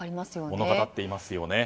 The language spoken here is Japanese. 物語っていますよね。